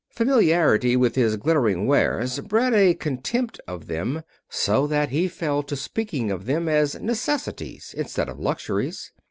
Familiarity with his glittering wares bred a contempt of them, so that he fell to speaking of them as necessities instead of luxuries.